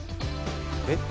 えっ？